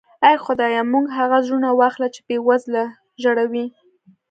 اې خدایه موږ هغه زړونه واخله چې بې وزله ژړوي.